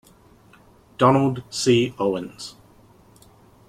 Donald C. Owens.